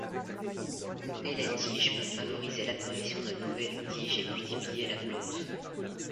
Couper les tiges pour favoriser l'apparition de nouvelles tiges et multiplier la plante.